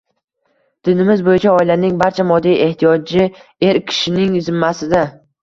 – dinimiz bo‘yicha oilaning barcha moddiy ehtiyoji er kishining zimmasida.